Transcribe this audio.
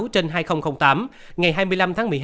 trên hai nghìn tám ngày hai mươi năm tháng một mươi hai